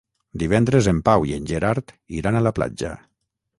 Divendres en Pau i en Gerard iran a la platja.